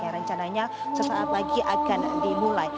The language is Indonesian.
yang rencananya sesaat lagi akan dimulai